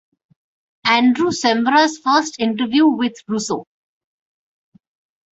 Andrew Sciambra's first interview with Russo.